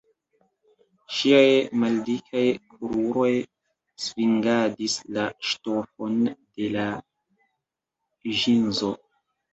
Ŝiaj maldikaj kruroj svingadis la ŝtofon de la ĵinzo.